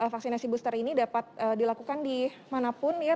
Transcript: vaksinasi booster ini dapat dilakukan di manapun ya